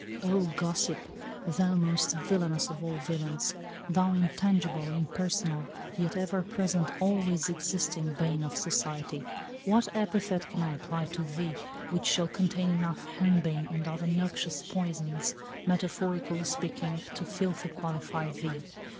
O Gossip, thou most villainous of all villains, thou intangible, impersonal, yet ever present, always existing bane of society, what epithet can I apply to thee which shall contain enough hen bane and other noxious poisons, metaphorically speaking, to fitly qualify thee